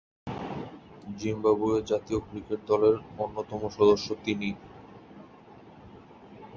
Zimbabwe জাতীয় cricket দলের অন্যতম সদস্য তিনি।